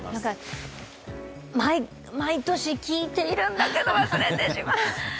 毎年、聞いているんだけど忘れてしまう。